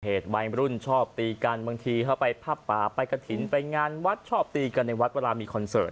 วัยรุ่นชอบตีกันบางทีเข้าไปผ้าป่าไปกระถิ่นไปงานวัดชอบตีกันในวัดเวลามีคอนเสิร์ต